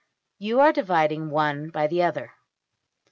You are dividing one by the other.